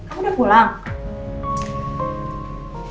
kamu udah pulang